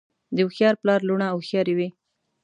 د هوښیار پلار لوڼه هوښیارې وي.